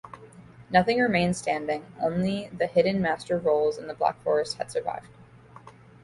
Nothing remained standing; only the hidden master rolls in the Black Forest had survived.